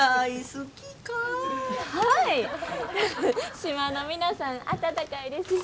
島の皆さん温かいですし。